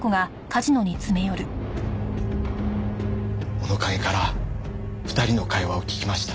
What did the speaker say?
物陰から２人の会話を聞きました。